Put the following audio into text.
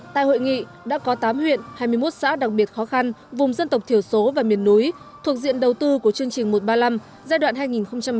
tại hội nghị đã có tám huyện hai mươi một xã đặc biệt khó khăn vùng dân tộc thiểu số và miền núi thuộc diện đầu tư của chương trình một trăm ba mươi năm giai đoạn hai nghìn một mươi sáu hai nghìn hai mươi